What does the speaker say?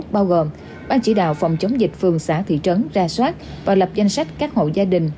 bao gồm ban chỉ đạo phòng chống dịch phường xã thị trấn ra soát và lập danh sách các hộ gia đình